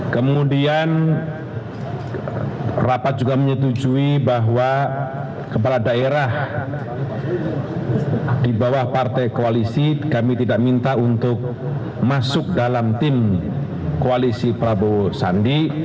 kemudian rapat juga menyetujui bahwa kepala daerah di bawah partai koalisi kami tidak minta untuk masuk dalam tim koalisi prabowo sandi